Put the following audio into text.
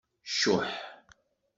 Cuḥ.